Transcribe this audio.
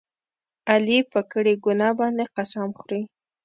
علي په کړې ګناه باندې قسم خوري.